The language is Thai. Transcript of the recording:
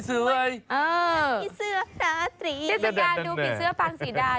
เทศกาลดูผีเสื้อปางสีดา